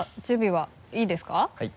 はい。